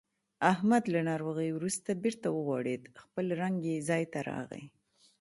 احمد له ناروغۍ ورسته بېرته و غوړېدو. خپل رنګ یې ځای ته راغی.